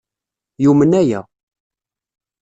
Yumen aya.